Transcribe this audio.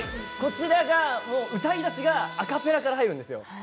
こちらが歌い出しがアカペラから入るんですよ。